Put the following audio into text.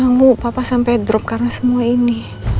aku gak mau sampai drop karena semua ini